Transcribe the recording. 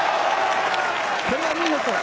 これは見事。